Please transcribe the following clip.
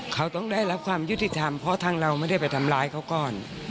เขาต้องได้รับความยุติธรรมเพราะทางเราไม่ได้ไปทำร้ายเขาก่อน